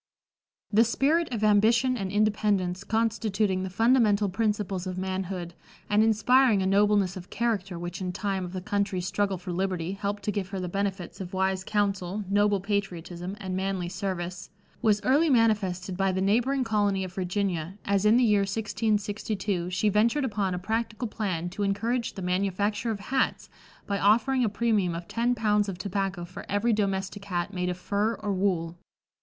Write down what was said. No. 2. The spirit of ambition and independence constituting the fundamental principles of manhood, and inspiring a nobleness of character which in time of the country's struggle for liberty helped to give her the benefits of wise counsel, noble patriotism and manly service, was early manifested by the neighboring colony of Virginia, as in the year 1662 she ventured upon a practical plan to encourage the manufacture of hats by offering a premium of ten pounds of tobacco for every domestic hat made of fur or wool.